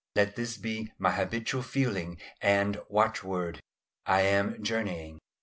Let this be my habitual feeling and watchword, "I am journeying."